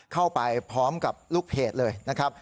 เข้าไปพร้อมกับลูกเพจเลยนะครับ